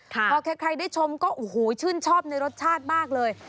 พอแค่ใครได้ชมก็ชื่นชอบในรสชาติมากเลย